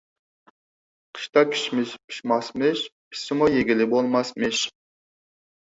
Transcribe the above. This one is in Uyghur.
قىشتا كىشمىش پىشماسمىش، پىشسىمۇ يېگىلى بولماسمىش.